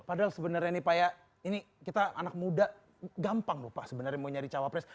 padahal sebenarnya nih pak ya ini kita anak muda gampang lupa sebenarnya mau nyari cawapres